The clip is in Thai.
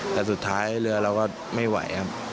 แต่สุดท้ายเรือเราก็ไม่ไหวครับ